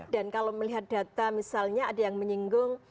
dan kalau melihat data misalnya ada yang menyinggung